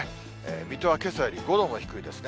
水戸はけさより５度も低いですね。